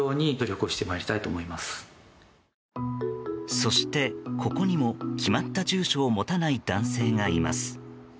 そして、ここにも決まった住所を持たない男性がいます。